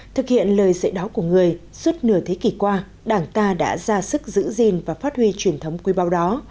thực hiện lời dạy đó của người suốt nửa thế kỷ qua đảng ta đã ra sức giữ gìn và phát huy truyền thống quý báo đó